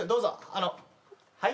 あのはい？